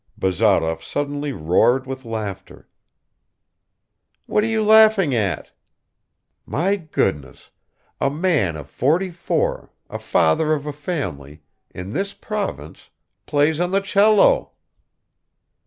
Bazarov suddenly roared with laughter. "What are you laughing at?" "My goodness! A man of forty four, a father of a family, in this province, plays on the cello!"